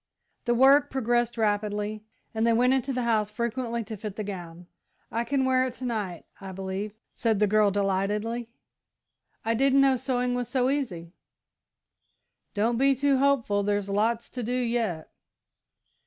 The work progressed rapidly, and they went into the house frequently to fit the gown. "I can wear it to night, I believe," said the girl, delightedly. "I didn't know sewing was so easy!" "Don't be too hopeful there's lots to do yet."